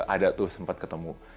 ada tuh sempat ketemu